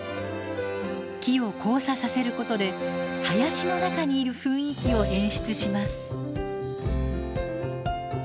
木を交差させることで林の中にいる雰囲気を演出します。